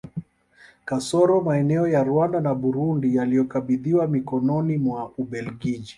Kasoro maeneo ya Rwanda na Burundi yaliyokabidhiwa mikononi mwa Ubelgiji